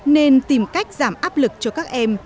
nên tìm cách giảm áp lực cho các em